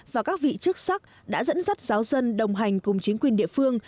và các vị chức sắc đã dẫn dắt giáo dân đồng hành cùng chính quyền địa phương